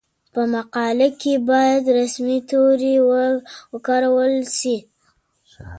په مقاله کې باید رسمي توري وکارول شي.